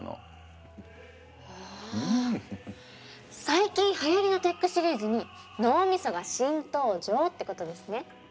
最近はやりのテックシリーズに脳みそが新登場ってことですね。